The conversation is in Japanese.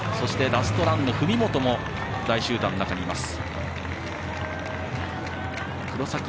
ラストランの文元も大集団の中にいます。